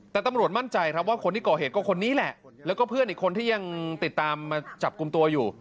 แต่ตำรวจมั่นใจครับว่าคนที่ก่อเหตุก็คนนี้แหละแล้วก็เพื่อนอีกคนที่ยังติดตามมาจับกลุ่มตัวอยู่